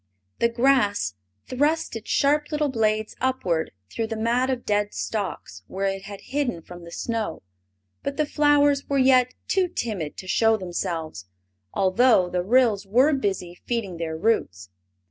The grass thrust its sharp little blades upward through the mat of dead stalks where it had hidden from the snow, but the flowers were yet too timid to show themselves, although the Ryls were busy feeding their roots.